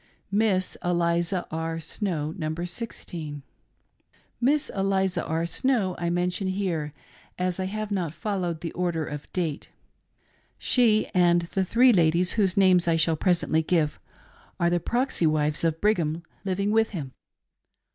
•"miss" ELIZA R. SNOW. [Number Sixteen.] "Miss" Eliza R. Snow I mention here as I have not fol lowed the order of' date. She and the three ladies, whose names I shall'presently give, are the proxy wives of Brigham, living with him.